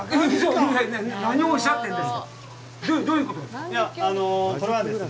どういうことですか？